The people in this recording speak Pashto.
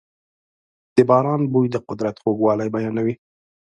د باران بوی د قدرت خوږوالی بیانوي.